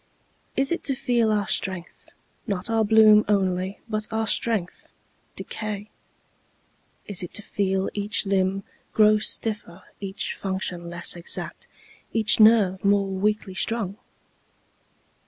Is it to feel our strength Not our bloom only, but our strength decay? Is it to feel each limb Grow stiffer, every function less exact, Each nerve more loosely strung?